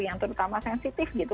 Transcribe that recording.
yang terutama sensitif gitu